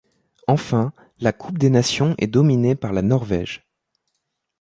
Enfin, la Coupe des Nations est dominée par la Norvège.